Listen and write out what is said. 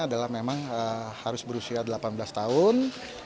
adalah memang harus berusia delapan belas tahun